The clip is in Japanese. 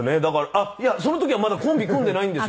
あっいやその時はまだコンビ組んでないんですよ。